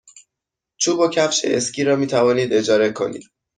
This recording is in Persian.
چوب و کفش اسکی را می توانید اجاره کنید.